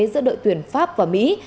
giữa đội tuyển pháp và mỹ